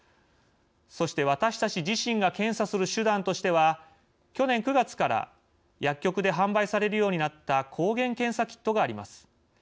そして私たち自身が検査する手段としては去年９月から薬局で販売されるようになった抗原検査キットがあります。